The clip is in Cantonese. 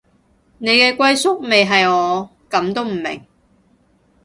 你嘅歸宿咪係我，噉都唔明